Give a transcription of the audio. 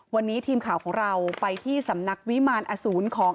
วันนี้ทีมข่าวของเราไปที่สำนักวิมารอสูรของ